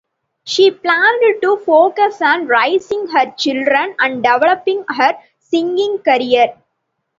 She planned to focus on raising her children and developing her singing career.